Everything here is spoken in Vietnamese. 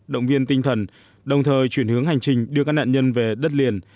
động viên tinh thần đồng thời chuyển hướng hành trình đưa các nạn nhân về đất liền